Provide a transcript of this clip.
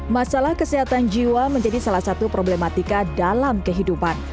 masalah kesehatan jiwa menjadi salah satu problematika dalam kehidupan